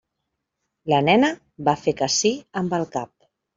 La nena va fer que sí amb el cap.